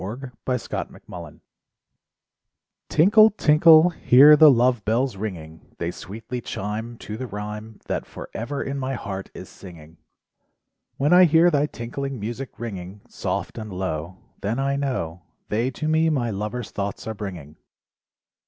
LOVE BELLS Tinkle, tinkle, tinkle, hear the Love Bells ringing, They sweetly chime To the rhyme That forever ever in my heart is singing. When I hear thy tinkling music ringing Soft and low Then I know They to me my lover's thoughts are bringing.